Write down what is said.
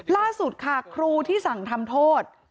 ล่าสุดค่ะครูที่สั่งทำโทษ